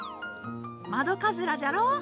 窓かずらじゃろう。